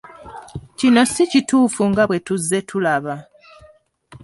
Kino si kituufu nga bwe tuzze tulaba.